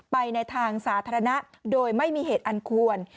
ไปในทางสาธารณะโดยไม่มีเหตุอันควร